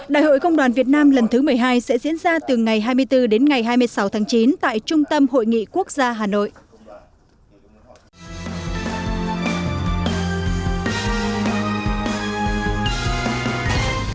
đại hội công đoàn việt nam lần thứ một mươi hai sẽ diễn ra từ ngày hai mươi bốn đến ngày hai mươi sáu tháng chín tại trung tâm hội nghị quốc gia hà nội